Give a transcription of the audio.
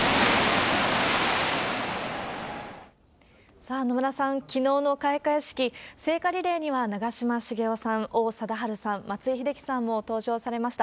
さあ、野村さん、きのうの開会式、聖火リレーには長嶋茂雄さん、王貞治さん、松井秀喜さんも登場されました。